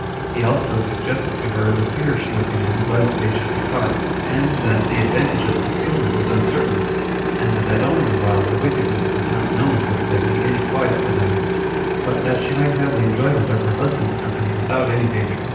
He also suggested to her the fear she would be in lest they should be caught; and that the advantage of concealment was uncertain, and that only while the wickedness was not known [would there be any quiet for them]; but that she might have the enjoyment of her husband's company without any danger.